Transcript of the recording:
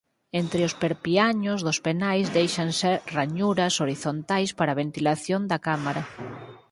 Entre os perpiaños dos penais déixanse rañuras horizontais para a ventilación da cámara.